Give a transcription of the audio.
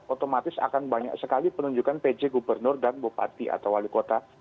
otomatis akan banyak sekali penunjukan pj gubernur dan bupati atau wali kota